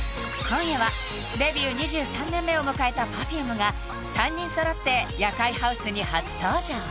今夜はデビュー２３年目を迎えたＰｅｒｆｕｍｅが３人揃って夜会ハウスに初登場！